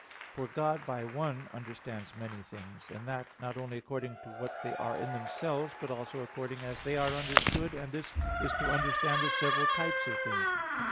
For God by one understands many things, and that not only according to what they are in themselves, but also according as they are understood, and this is to understand the several types of things.